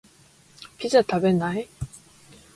ピザ食べない？